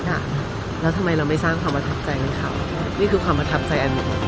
โปรดติดตามตอนต่อไป